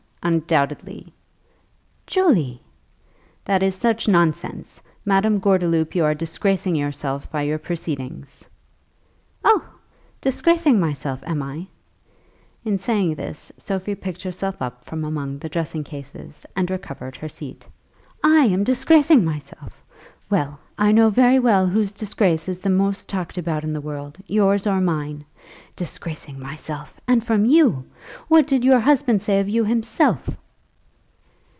"Undoubtedly." "Julie!" "That is such nonsense. Madame Gordeloup, you are disgracing yourself by your proceedings." "Oh! disgracing myself, am I?" In saying this, Sophie picked herself up from among the dressing cases, and recovered her seat. "I am disgracing myself! Well, I know very well whose disgrace is the most talked about in the world, yours or mine. Disgracing myself; and from you? What did your husband say of you himself?"